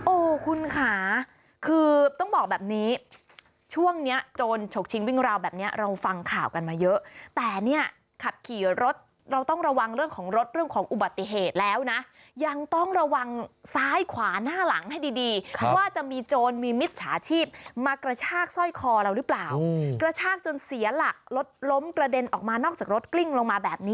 โอ้โหคุณค่ะคือต้องบอกแบบนี้ช่วงเนี้ยโจรฉกชิงวิ่งราวแบบนี้เราฟังข่าวกันมาเยอะแต่เนี่ยขับขี่รถเราต้องระวังเรื่องของรถเรื่องของอุบัติเหตุแล้วนะยังต้องระวังซ้ายขวาหน้าหลังให้ดีดีว่าจะมีโจรมีมิจฉาชีพมากระชากสร้อยคอเราหรือเปล่ากระชากจนเสียหลักรถล้มกระเด็นออกมานอกจากรถกลิ้งลงมาแบบนี้